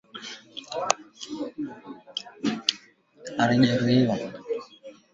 Iliyopelekea kuvuruga mtiririko wa usambazaji mafuta duniani na kupanda kwa gharama kote duniani.